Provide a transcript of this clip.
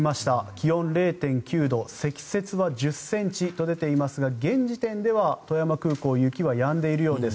気温０．９度積雪は１０ｃｍと出ていますが現時点では富山空港雪はやんでいるようです。